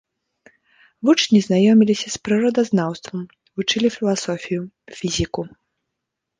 Вучні знаёміліся з прыродазнаўствам, вучылі філасофію, фізіку.